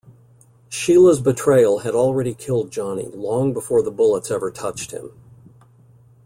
Sheila's betrayal had already killed Johnny long before the bullets ever touched him.